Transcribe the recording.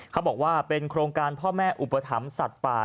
เขาบอกว่าเป็นโครงการพ่อแม่อุปถัมภ์สัตว์ป่า